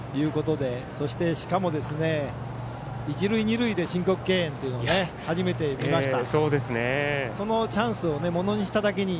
そして、しかも一塁二塁で申告敬遠というのも初めて見ました。